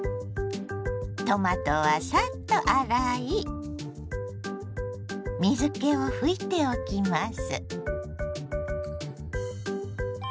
トマトはサッと洗い水けを拭いておきます。